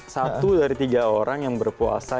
satu dari tiga orang yang berpuasa